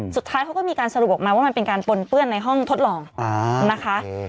สุดท้ายเขาก็มีการสรุปออกมาว่ามันเป็นการปนเปื้อนในห้องทดลองนะคะ